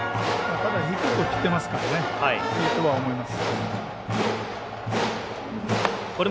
ただ、低くきていますからいいと思います。